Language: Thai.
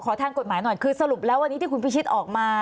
ทางกฎหมายหน่อยคือสรุปแล้ววันนี้ที่คุณพิชิตออกมา